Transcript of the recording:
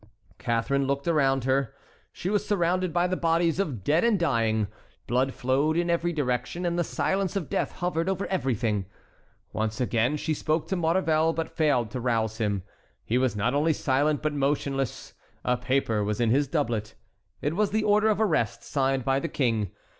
Catharine looked around her. She was surrounded by the bodies of dead and dying; blood flowed in every direction, and the silence of death hovered over everything. Once again she spoke to Maurevel, but failed to rouse him; he was not only silent but motionless; a paper was in his doublet. It was the order of arrest signed by the King.